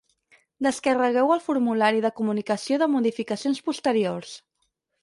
Descarregueu el formulari de comunicació de modificacions posteriors.